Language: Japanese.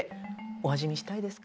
お味見したいですか？